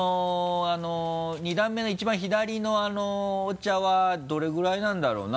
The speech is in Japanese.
２段目の一番左のお茶はどれぐらいなんだろうな？